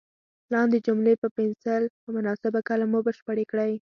لاندې جملې په پنسل په مناسبو کلمو بشپړې کړئ.